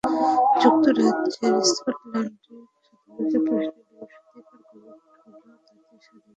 যুক্তরাজ্যের স্কটল্যান্ডে স্বাধীনতার প্রশ্নে বৃহস্পতিবার গণভোট হলেও তাতে স্বাধীনতার বিপক্ষেই ভোট পড়েছে বেশি।